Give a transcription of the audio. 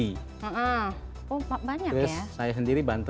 yang main bassnya kakak itu menado